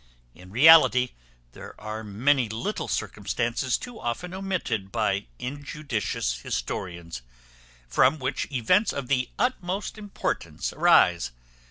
In reality, there are many little circumstances too often omitted by injudicious historians, from which events of the utmost importance arise.